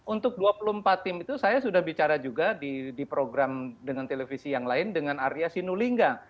untuk dua puluh empat tim itu saya sudah bicara juga di program dengan televisi yang lain dengan arya sinulinga